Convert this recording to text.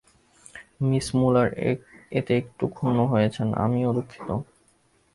Miss Muller এতে একটু ক্ষুণ্ণ হয়েছেন, আমিও দুঃখিত।